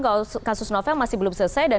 kalau kasus novel masih belum selesai dan